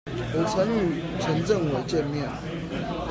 我曾與前政委會面